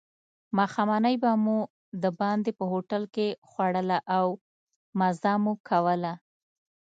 ماښامنۍ به مو دباندې په هوټل کې خوړله او مزه مو کوله.